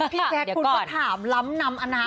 พี่แจ๊คคุณก็ถามล้ำนำอนาค